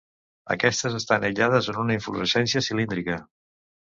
Aquestes estan aïllades en una inflorescència cilíndrica.